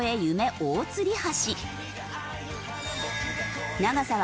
大吊橋。